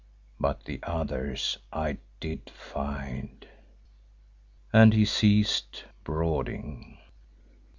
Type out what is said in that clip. But the others I did find ..." and he ceased, brooding.